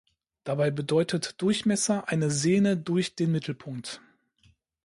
Dabei bedeutet Durchmesser eine Sehne durch den Mittelpunkt.